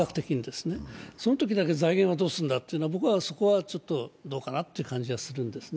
そのときだけ財源はどうするんだというのは、僕はそこはちょっとどうかなという感じがするんですね。